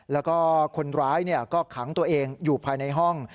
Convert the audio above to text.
แล้วก็คนร้ายก็ขังตัวเองอยู่ภายในห้อง